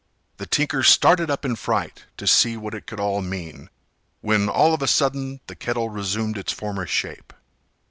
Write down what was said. The tinker started up in a fright to see what it could all mean, when all of a sudden the kettle resumed its former shape.